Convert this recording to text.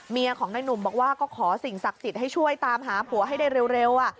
เมียของนายหนุ่มบอกว่าก็ขอสิ่งศักดิ์สิทธิ์ให้ช่วยตามหาผัวให้ได้เร็ว